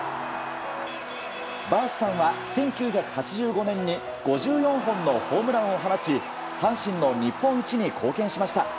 バースさんは１９８５年に５４本のホームランを放ち阪神の日本一に貢献しました。